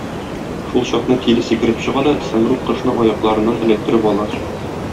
Шулчакны Тиле сикереп чыга да Сәмруг кошны аякларыннан эләктереп ала.